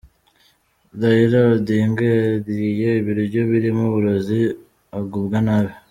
Raila Odinga yariye ibiryo birimo uburozi agubwa nabi .